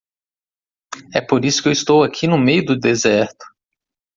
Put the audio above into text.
É por isso que estou aqui no meio do deserto.